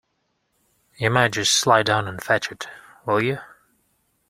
You might just slide down and fetch it, will you?